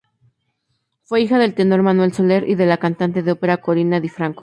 Fue hija del tenor Manuel Soler y de la cantante de ópera Corinna Di-Franco.